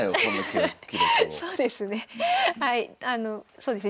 そうですね。